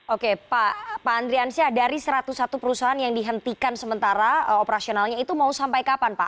oke pak andriansyah dari satu ratus satu perusahaan yang dihentikan sementara operasionalnya itu mau sampai kapan pak